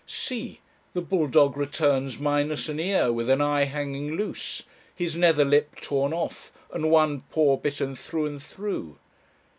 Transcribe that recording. See! the bull dog returns minus an ear, with an eye hanging loose, his nether lip torn off, and one paw bitten through and through.